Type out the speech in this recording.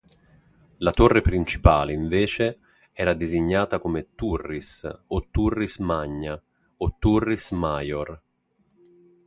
La torre principale, invece, era designata come turris, o turris magna, o turris maior.